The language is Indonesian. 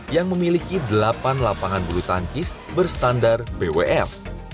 yang memiliki delapan lapangan bulu tankis berstandar bwm